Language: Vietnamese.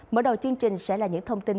mở đầu chương trình sẽ là những thông tin